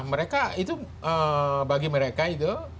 mereka itu bagi mereka itu